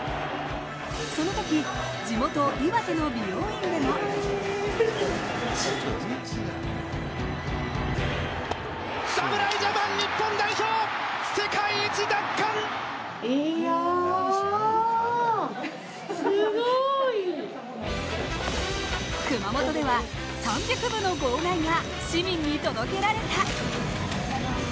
そのとき、地元・岩手の美容院でも熊本では、３００部の号外が市民に届けられた。